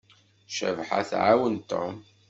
Cabḥa tɛawen Tom.